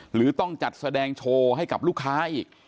หรือต้องจัดแสดงโชว์ให้กับลูกค้าอีก